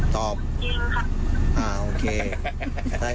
ตกลงว่าหนูทำจริงหรือไม่จริง